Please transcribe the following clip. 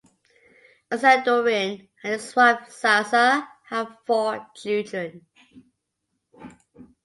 Assadourian and his wife Zaza have four children.